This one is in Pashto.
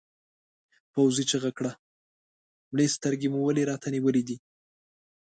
پوځي چیغه کړه مړې سترګې مو ولې راته نیولې دي؟